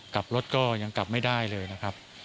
กลับรถก็ยังกลับไม่ได้เลยนะครับ